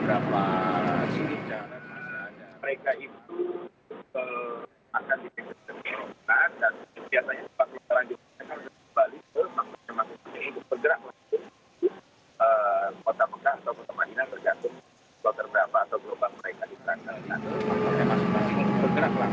sudah ada produser cnn indonesia radian febiros asal dibuat jemaah haji os dan jemaah makhlid